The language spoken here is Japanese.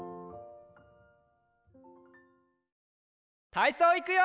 たいそういくよ！